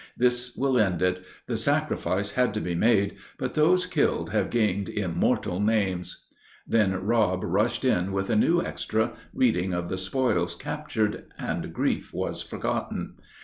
This will end it. The sacrifice had to be made, but those killed have gained immortal names." Then Rob rushed in with a new extra, reading of the spoils captured, and grief was forgotten.